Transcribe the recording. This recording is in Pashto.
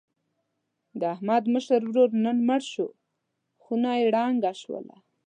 د احمد مشر ورور نن مړ شو. خونه یې ړنګه شوله.